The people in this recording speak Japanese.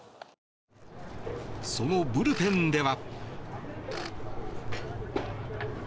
そのブルペンでは。